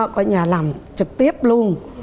cái nhà làm trực tiếp luôn